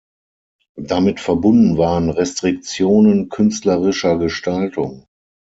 Damit verbunden waren Restriktionen künstlerischer Gestaltung.